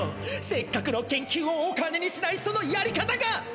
せっかくの研究をお金にしないそのやり方が！